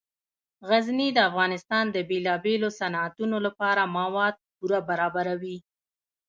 غزني د افغانستان د بیلابیلو صنعتونو لپاره مواد پوره برابروي.